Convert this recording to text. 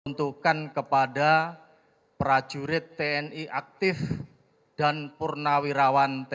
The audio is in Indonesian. untukkan kepada prajurit tni aktif dan purnawirawan tni